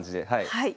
はい。